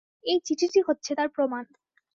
এই চিঠিটি হচ্ছে তার প্রমাণ।